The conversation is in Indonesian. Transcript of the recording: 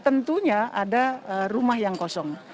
tentunya ada rumah yang kosong